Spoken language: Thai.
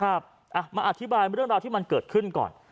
มาอธิบายเรื่องราวที่มันเกิดขึ้นก่อน